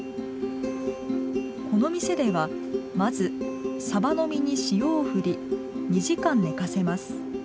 この店ではまずの身に塩をふり２時間寝かせます。